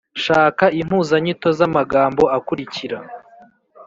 Shaka impuzanyito z’amagambo akurikira